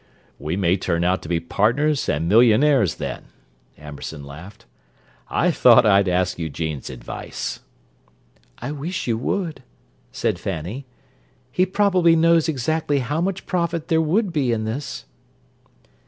"We may turn out to be partners and millionaires then," Amberson laughed. "I thought I'd ask Eugene's advice." "I wish you would," said Fanny. "He probably knows exactly how much profit there would be in this."